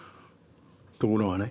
ところがね